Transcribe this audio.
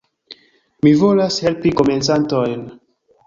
Mi volas helpi komencantojn